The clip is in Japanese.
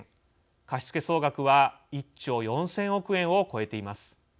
貸付総額は１兆４０００億円を超えています。